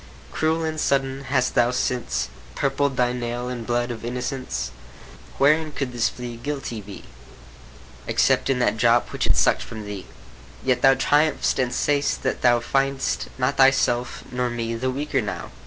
Cruel and sudden, hast thou since Purpled thy nail in blood of innocence? Wherein could this flea guilty be, Except in that drop which it suck'd from thee? Yet thou triumph'st, and say'st that thou Find'st not thyself nor me the weaker now.